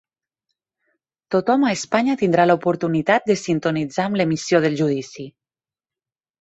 Tothom a Espanya tindrà l'oportunitat de sintonitzar amb l'emissió del judici